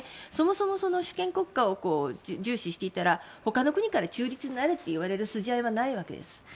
そもそも主権国家を重視していたらほかの国から中立になれと言われる筋合いはないわけです。